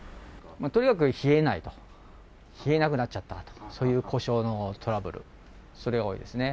とにかく冷えないと、冷えなくなっちゃったと、そういう故障のトラブル、それが多いですね。